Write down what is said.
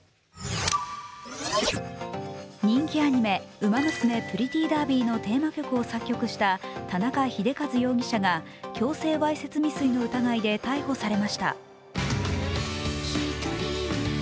人気アニメ「ウマ娘プリティーダービー」のテーマ曲を作曲した田中秀和容疑者が強制わいせつ未遂の疑いで逮捕されました。